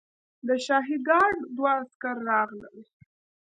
د شاهي ګارډ دوه عسکر راغلل.